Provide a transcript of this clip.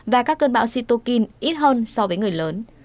và các cơn bạo cytokine ít hơn so với người lớn